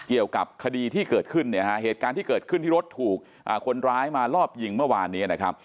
เกี่ยวกับคดีที่เกิดขึ้นเนี่ยฮะเหตุการณ์ที่เกิดขึ้นที่รถถูกคนร้ายมารอบยิงเมื่อวานนี้นะครับ